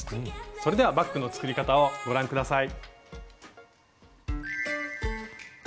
それではバッグの作り方をご覧下さい。